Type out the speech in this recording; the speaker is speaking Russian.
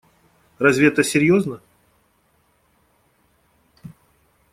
Разве это серьезно?